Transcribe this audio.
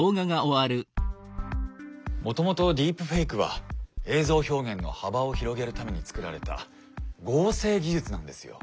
もともとディープフェイクは映像表現の幅を広げるためにつくられた合成技術なんですよ。